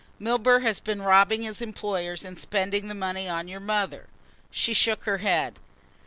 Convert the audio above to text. "Milburgh has been robbing his employers and spending the money on your mother." She shook her head.